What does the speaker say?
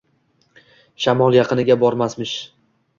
Shamol yaqiniga bormasmish.